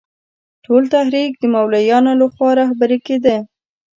ټول تحریک د مولویانو له خوا رهبري کېده.